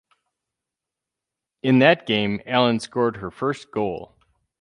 In that game Allan scored her first goal.